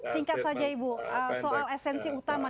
singkat saja ibu soal esensi utama